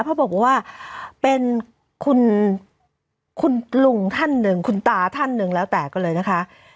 เขาบอกว่าเป็นคุณลุงท่านหนึ่งคุณตาท่านหนึ่งแล้วแต่ก็เลยนะคะ